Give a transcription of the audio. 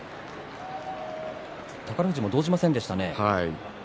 宝富士も動じませんでしたね。